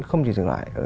không chỉ dừng lại